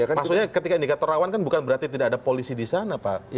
maksudnya ketika indikator rawan kan bukan berarti tidak ada polisi di sana pak